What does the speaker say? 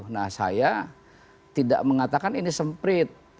nah saya tidak mengatakan ini semprit